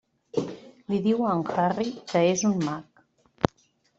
Li diu a en Harry que és un mag.